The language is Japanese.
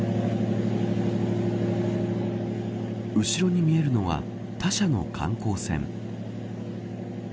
後ろに見えるのは他社の観光船。